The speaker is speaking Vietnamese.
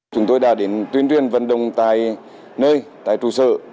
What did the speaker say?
chúng tôi đã đến tuyên truyền vận động tại nơi tại trụ sở